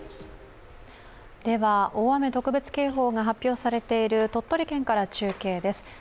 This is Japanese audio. では、大雨特別警報が発表されている鳥取県から中継です。